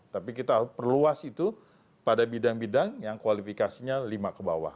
tapi kita perluas itu pada bidang bidang yang kualifikasinya lima ke bawah